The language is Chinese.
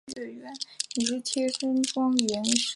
鲤城街道是中国福建省莆田市仙游县下辖的一个街道。